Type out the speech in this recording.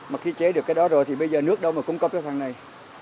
mà khi chế được cái đó rồi thì bây giờ nước đâu mà cung cấp cho thằng này